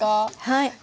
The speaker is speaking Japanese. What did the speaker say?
はい。